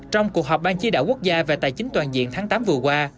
trong cuộc họp ban chi đảo quốc gia về tài chính toàn diện tháng tám vừa qua